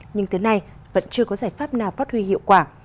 nhưng tới nay vẫn chưa có giải pháp nào phát huy hiệu quả